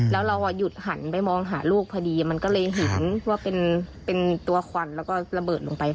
แล้วเราหยุดหันไปมองหาลูกพอดีมันก็เลยเห็นว่าเป็นตัวควันแล้วก็ระเบิดลงไป